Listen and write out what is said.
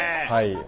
はい。